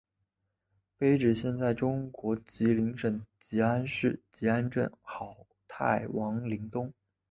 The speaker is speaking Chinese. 碑址现在中国吉林省集安市集安镇好太王陵东。